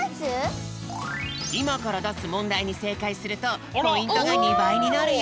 いまからだすもんだいにせいかいするとポイントが２ばいになるよ。